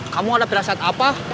kamu ada perasaan apa